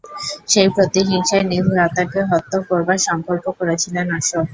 সেই প্রতিহিংসায় নিজ ভ্রাতাকে হত্য করবার সঙ্কল্প করেছিলেন অশোক।